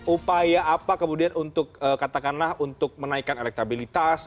upaya apa kemudian untuk katakanlah untuk menaikkan elektabilitas